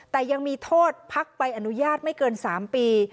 แต่ยังมีโทษพักใบอนุญาตไม่เกิน๓ปี